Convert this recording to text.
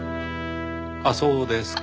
あそうですか。